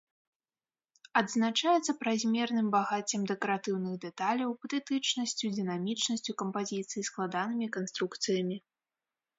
Адзначаецца празмерным багаццем дэкаратыўных дэталяў, патэтычнасцю, дынамічнасцю кампазіцыі, складанымі канструкцыямі.